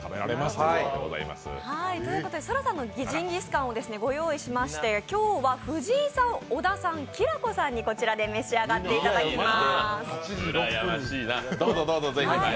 ということでそらさんのジンギスカンをご用意しまして今日は藤井さん、小田さん、きらこさんに召し上がっていただきます。